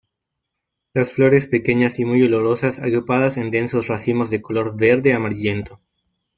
Las flores pequeñas y muy olorosas agrupadas en densos racimos de color verde amarillento.